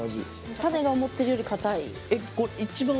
種が思ってるより堅い。